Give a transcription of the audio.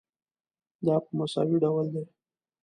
دا په مساوي ډول ده.